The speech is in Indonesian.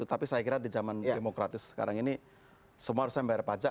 tapi saya kira di zaman demokratis sekarang ini semua harusnya membayar pajak